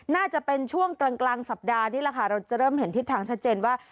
น่าจะเป็นช่วงกลางสัปดาห์นี่แหละค่ะเราจะเริ่มเห็นทิศทางชัดเจนว่า